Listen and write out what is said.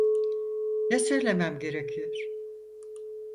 Ne söylemem gerekiyor?